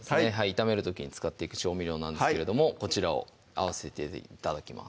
炒める時に使っていく調味料なんですけれどもこちらを合わせて頂きます